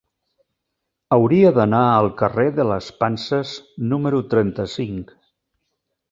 Hauria d'anar al carrer de les Panses número trenta-cinc.